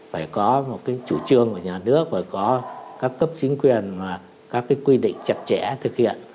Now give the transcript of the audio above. phải có một cái chủ trương của nhà nước và có các cấp chính quyền mà các cái quy định chặt chẽ thực hiện